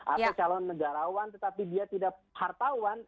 atau calon negarawan tetapi dia tidak hartawan